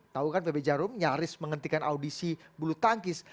tahu kan pb jarum nyaris menghentikan audisi bulu tangkis